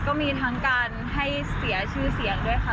ก็มีทั้งการให้เสียชื่อเสียงด้วยค่ะ